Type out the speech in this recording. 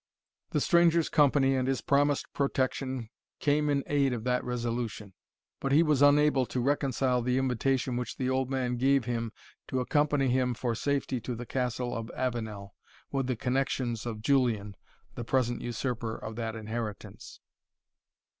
The stranger's company and his promised protection came in aid of that resolution; but he was unable to reconcile the invitation which the old man gave him to accompany him for safety to the Castle of Avenel, with the connexions of Julian, the present usurper of that inheritance.